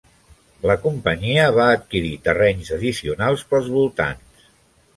La companyia va adquirir terrenys addicionals pels voltants.